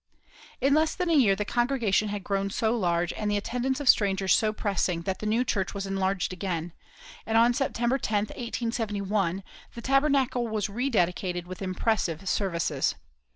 In less than a year later the congregation had grown so large and the attendance of strangers so pressing that the new church was enlarged again, and on September 10, 1871, the Tabernacle was rededicated with impressive services.